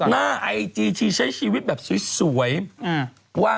นางเอกไฮโซใครวะ